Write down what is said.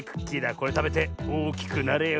これたべておおきくなれよ。